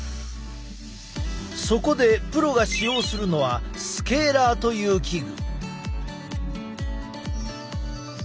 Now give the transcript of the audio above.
そこでプロが使用するのはスケーラーという器具。